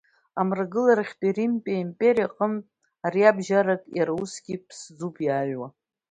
Амрагыларахьтәи Римтәи аимпериа аҟнытә ариабжьарак иара усгьы ԥсӡуп иааҩуа.